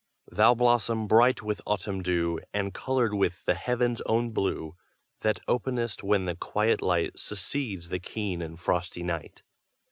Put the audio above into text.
Thou blossom bright with autumn dew, And coloured with the heaven's own blue, That openest when the quiet light Succeeds the keen and frosty night.